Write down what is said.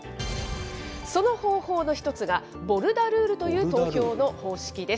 その方法の一つが、ボルダルールという投票の方式です。